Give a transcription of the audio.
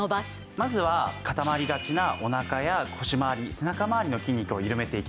まずは固まりがちなおなかや腰まわり背中まわりの筋肉を緩めていきます。